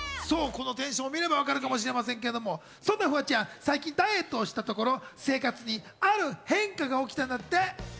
このテンションを見ればわかるかもしれませんけど、フワちゃん、最近ダイエットをしたところ、生活にある変化が起きたんだって。